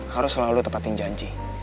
harus selalu tepatin janji